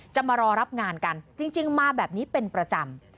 จะมารอรับงานกันจริงมาแบบนี้เป็นประจำ